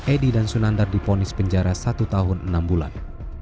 edi dan sunandar diponis penjara satu tahun enam bulan